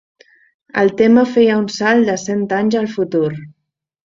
El tema feia un salt de cent anys al futur.